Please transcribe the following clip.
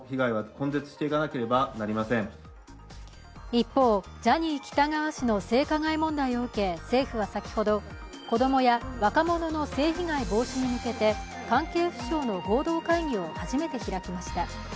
一方、ジャニー喜多川氏の性加害問題を受け政府は先ほど子供や若者の性被害防止に向けて関係府省の合同会議を初めて開きました。